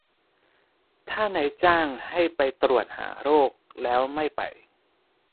ถ้านายจ้างให้ไปตรวจหาโรคแล้วไม่ไป